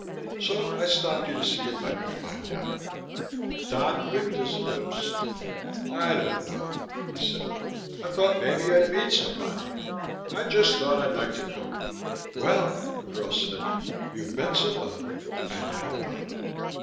So I stopped you to see if I could find out." Dodd licked his lips. "I don't know," he said. "I thought maybe I'd meet somebody. I just thought I'd like to come." "Well," the girl said, "you've met somebody. And now what?"